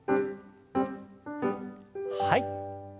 はい。